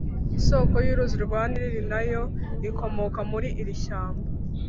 Isoko y’uruzi rwa Nili na yo ikomoka muri iri shyamba.